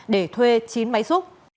để thuê chín máy xúc